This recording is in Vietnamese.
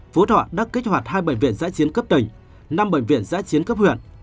phú thọ đã kích hoạt hai bệnh viện giãi chiến cấp tỉnh năm bệnh viện giãi chiến cấp huyện